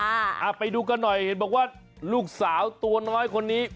อ่าไปดูกันหน่อยเห็นบอกว่าลูกสาวตัวน้อยคนนี้